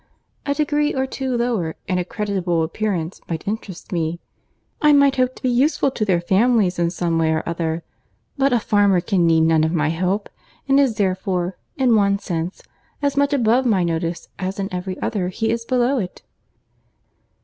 A degree or two lower, and a creditable appearance might interest me; I might hope to be useful to their families in some way or other. But a farmer can need none of my help, and is, therefore, in one sense, as much above my notice as in every other he is below it."